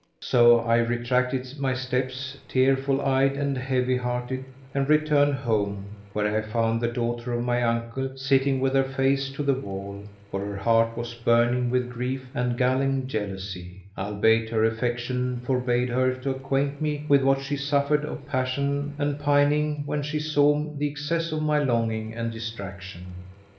So I retraced my steps, tearful eyed and heavy hearted, and returned home, where I found the daughter of my uncle sitting with her face to the wall; for her heart was burning with grief and galling jealousy; albeit her affection forbade her to acquaint me with what she suffered of passion and pining when she saw the excess of my longing and distraction.